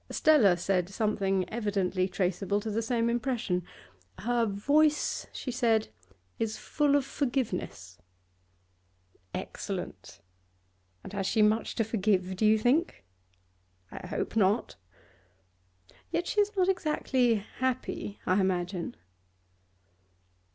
Stella said something evidently traceable to the same impression; her voice, she said, is full of forgiveness.' 'Excellent! And has she much to forgive, do you think?' 'I hope not.' 'Yet she is not exactly happy, I imagine?